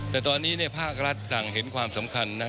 แต่ตอนนี้ภาครัฐต่างเห็นความสำคัญ